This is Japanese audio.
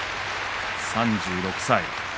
３６歳。